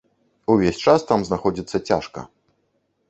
Увесь час там знаходзіцца цяжка.